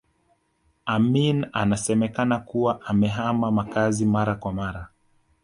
Amin anasemekana kuwa amehama makazi mara kwa mara